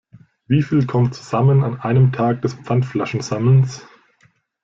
Wie viel kommt zusammen an einem Tag des Pfandflaschensammelns?